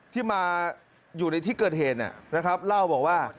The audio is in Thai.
ที่มาอยู่ในที่เกิดเหตุนะครับเล่าบอกว่า